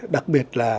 đặc biệt là